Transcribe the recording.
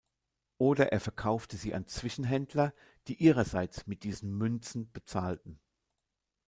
Oder er verkaufte sie an Zwischenhändler, die ihrerseits mit diesen Münzen bezahlten.